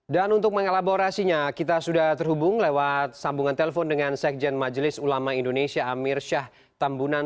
dan untuk mengelaborasinya kita sudah terhubung lewat sambungan telepon dengan sekjen majelis ulama indonesia amir syah tambunan